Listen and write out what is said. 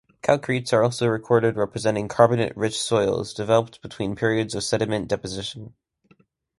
Calcretes are also recorded representing carbonate-rich soils developed between periods of sediment deposition.